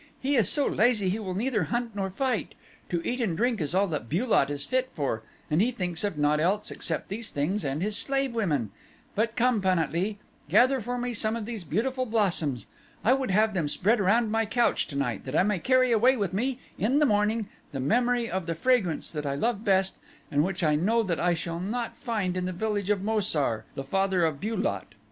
"He is so lazy he will neither hunt nor fight. To eat and to drink is all that Bu lot is fit for, and he thinks of naught else except these things and his slave women. But come, Pan at lee, gather for me some of these beautiful blossoms. I would have them spread around my couch tonight that I may carry away with me in the morning the memory of the fragrance that I love best and which I know that I shall not find in the village of Mo sar, the father of Bu lot.